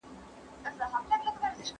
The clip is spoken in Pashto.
ډېر خلک د وخت اټکل نه شي کولای.